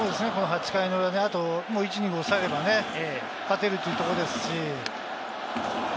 ８回の裏、そしてもう１イニング抑えれば勝てるというところですし。